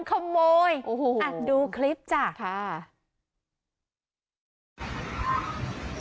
ซ่อมรถร้านอะไรต่าง